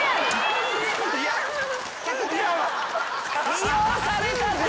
利用されたぜ。